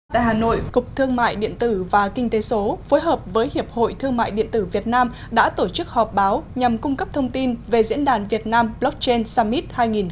tại hà nội cục thương mại điện tử và kinh tế số phối hợp với hiệp hội thương mại điện tử việt nam đã tổ chức họp báo nhằm cung cấp thông tin về diễn đàn việt nam blockchain summit hai nghìn một mươi chín